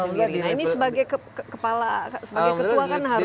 nah ini sebagai ketua harus memastikan